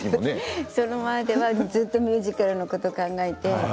その前までずっとミュージカルのことを考えて。